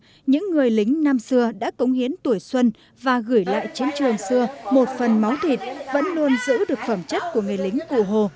khi các bác đã đi ra những người lính nam xưa đã cống hiến tuổi xuân và gửi lại chiến trường xưa một phần máu thịt vẫn luôn giữ được phẩm chất của người lính cụ hồ